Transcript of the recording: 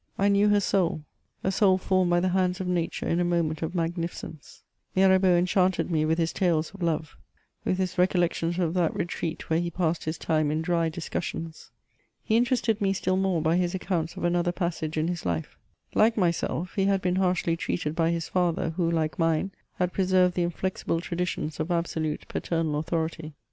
I knew her soul — a soul formed by the hands of nature in a moment of magnificence.'' Mirabeau enchanted me with his tales of love, with his recol lections of that retreat where he passed his time in dry discus sions. He interested me still more by his accounts of another passage in his life : like myself, he had been harshly treated by his father, who, like mine, had preserved the inflexible traditions of absolute paternal authority.